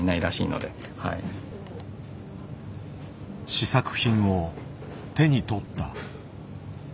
試作品を手に取った。